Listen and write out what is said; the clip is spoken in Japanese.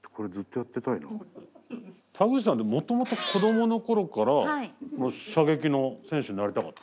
田口さんってもともと子どもの頃から射撃の選手になりたかった？